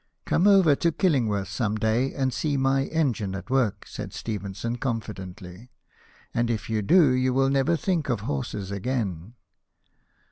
" Come over to Killingworth some day and see my engine at work," said Stephenson, confidently ;" and if you do you will never think of horses again."